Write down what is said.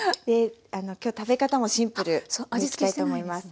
今日食べ方もシンプルでいきたいと思います。